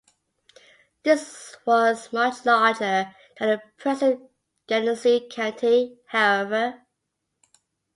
This was much larger than the present Genesee County, however.